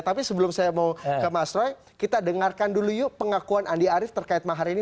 tapi sebelum saya mau ke mas roy kita dengarkan dulu yuk pengakuan andi arief terkait mahar ini